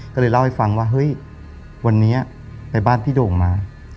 ก็เลยเล่าให้ฟังว่าเฮ้ยวันนี้ไปบ้านพี่โด่งมา